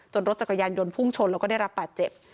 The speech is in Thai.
รถจักรยานยนต์พุ่งชนแล้วก็ได้รับบาดเจ็บ